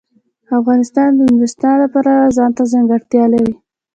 افغانستان د نورستان د پلوه ځانته ځانګړتیا لري.